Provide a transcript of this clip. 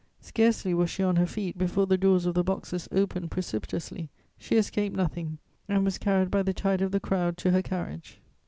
Scarcely was she on her feet, before the doors of the boxes opened precipitously; she escaped nothing, and was carried by the tide of the crowd to her carriage.